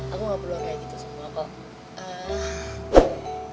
aku gak perlu kayak gitu sama lo kok